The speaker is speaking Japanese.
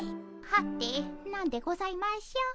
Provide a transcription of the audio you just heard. はて何でございましょう。